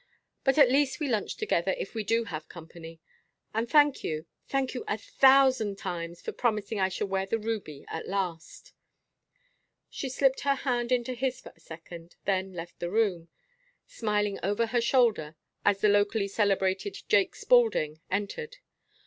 But at least we lunch together if we do have company. And thank you, thank you a thousand times for promising I shall wear the ruby at last." She slipped her hand into his for a second, then left the room, smiling over her shoulder, as the locally celebrated "Jake" Spaulding entered.